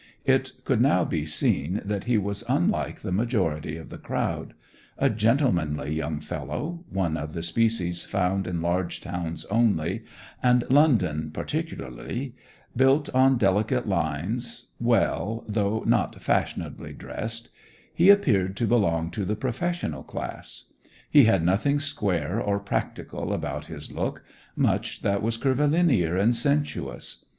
It could now be seen that he was unlike the majority of the crowd. A gentlemanly young fellow, one of the species found in large towns only, and London particularly, built on delicate lines, well, though not fashionably dressed, he appeared to belong to the professional class; he had nothing square or practical about his look, much that was curvilinear and sensuous.